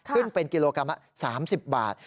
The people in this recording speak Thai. ขึ้นเป็นกิโลกรัมละ๓๐บาท